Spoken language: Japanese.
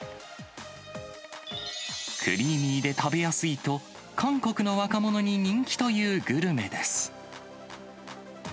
クリーミーで食べやすいと、韓国の若者に人気というグルメです。